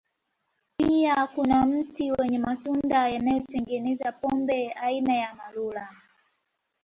Pia kuna mti wenye matunda yanayotengeneza pombe aina ya Amarula